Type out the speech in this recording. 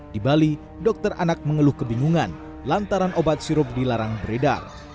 di bali dokter anak mengeluh kebingungan lantaran obat sirup dilarang beredar